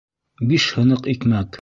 — Биш һыныҡ икмәк?...